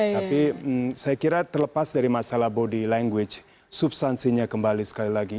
tapi saya kira terlepas dari masalah body language substansinya kembali sekali lagi